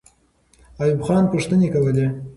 ایوب خان پوښتنې کولې.